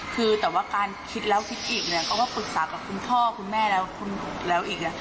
คือแต่ว่าการคิดแล้วคิดอีกเนี่ยก็ว่าปรึกษากับคุณพ่อคุณแม่แล้วคุณแล้วอีก